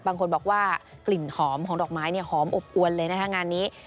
บางคนบอกว่ากลิ่นหอมของดอกไม้เนี่ยหอมอบอวนเลยนะคะงานนี้